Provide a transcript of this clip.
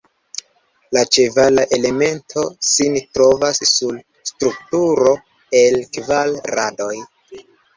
La ĉevala elemento sin trovas sur strukturo el kvar radoj.